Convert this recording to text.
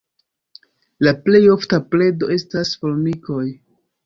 La plej ofta predo estas formikoj.